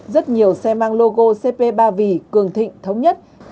rất nhiều xe mang logo cp ba vì cường thịnh thống nhất